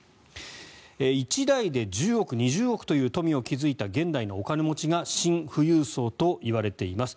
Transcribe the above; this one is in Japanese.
１代で１０億、２０億という富を築いた現代のお金持ちがシン富裕層といわれています。